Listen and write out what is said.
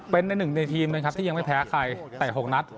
เป็นในหนึ่งในทีมนะครับที่ยังไม่แพ้ใครแต่๖นัด